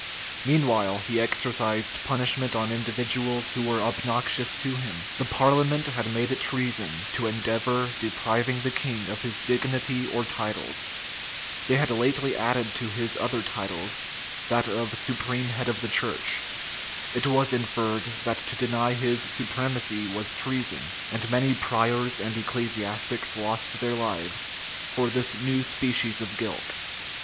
Meanwhile he exercised punishment on individuals who were obnoxious to him. The parliament had made it treason to endeavor depriving the king of his dignity or titles: they had lately added to his other titles, that of supreme head of the church: it was inferred, that to deny his supremacy was treason; and many priors and ecclesiastics lost their lives for this new species of guilt.